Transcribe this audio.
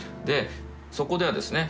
そこではですね